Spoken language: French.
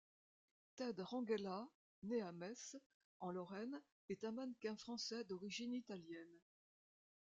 Ted Ranghella, né à Metz en Lorraine, est un mannequin français d’origine italienne.